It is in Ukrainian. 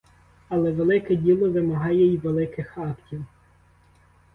Але велике діло вимагає й великих актів.